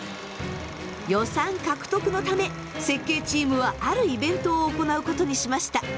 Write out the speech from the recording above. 予算獲得のため設計チームはあるイベントを行うことにしました。